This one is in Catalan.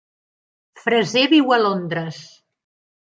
Fraser viu a Londres.